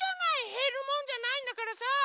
へるもんじゃないんだからさ。